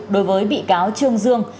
đối với bị cáo trương dương